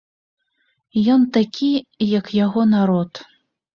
Ён такі, як яго народ.